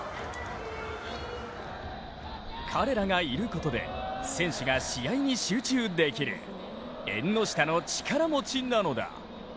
彼らがいることで選手が試合に集中できる縁の下の力持ちなのだ。